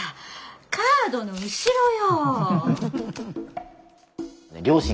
カードの後ろよ。